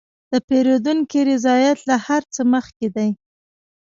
د پیرودونکي رضایت له هر څه مخکې دی.